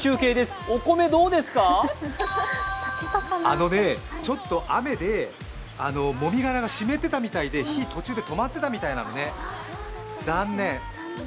あのね、ちょっと雨でもみ殻が湿ってたみたいで、火途中で止まってたみたいなのね、残念。